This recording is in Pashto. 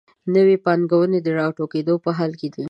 نوي پانګوال د راټوکېدو په حال کې دي.